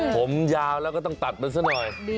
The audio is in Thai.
ผมยาวแล้วก็ต้องตัดมันซะหน่อย